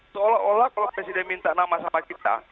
seolah olah kalau presiden minta nama sama kita